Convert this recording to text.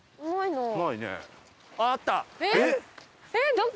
どこ？